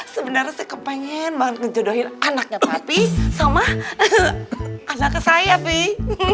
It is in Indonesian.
sebenarnya ke pengen banget menjodohi anaknya tapi sama anak saya pih